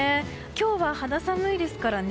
今日は肌寒いですからね。